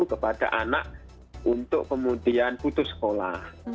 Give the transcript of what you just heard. kepada anak untuk kemudian putus sekolah